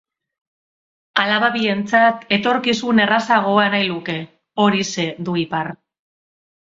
Alaba bientzat etorkizun errazagoa nahi luke, horixe du ipar.